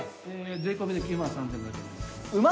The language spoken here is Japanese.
税込みで９万３，５００円です。